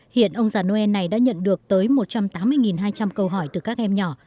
hiện ông già noel này đã nhận được tới một trăm tám mươi hai trăm linh câu hỏi từ các em nhỏ